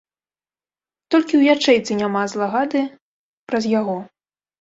Толькі ў ячэйцы няма злагады праз яго.